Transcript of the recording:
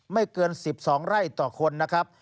เกิน๑๒ไร่ต่อคนนะครับ